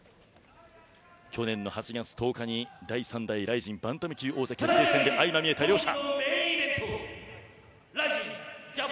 去年８月１０日に第３代ＲＩＺＩＮバンタム級王座決定戦で相まみえた両者。